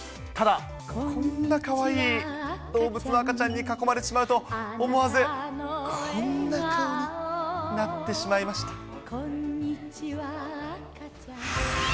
ただ、こんなかわいい動物の赤ちゃんに囲まれてしまうと、思わずこんな顔になってしまいました。